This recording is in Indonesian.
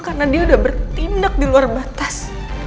karena dia udah bertindak di luar batas